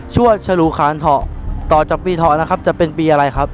ชั่วฉลูขานเถาะต่อจากปีเถาะนะครับจะเป็นปีอะไรครับ